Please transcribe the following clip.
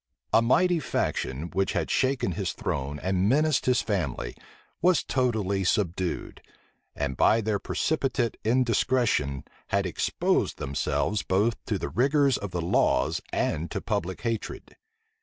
A mighty faction, which had shaken his throne and menaced his family, was totally subdued; and by their precipitate indiscretion had exposed themselves both to the rigor of the laws and to public hatred.